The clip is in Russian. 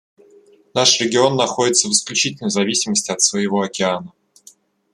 Наш регион находится в исключительной зависимости от своего океана.